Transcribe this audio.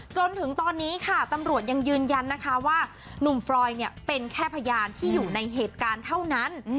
จนถึงตอนนี้ค่ะตำรวจยังยืนยันนะคะว่าหนุ่มฟรอยเนี่ยเป็นแค่พยานที่อยู่ในเหตุการณ์เท่านั้น